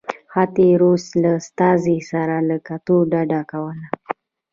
حتی د روس له استازي سره له کتلو ډډه کوله.